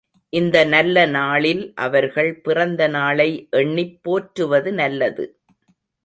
இந்த நல்ல நாளில் அவர்கள் பிறந்த நாளை எண்ணிப் போற்றுவது நல்லது.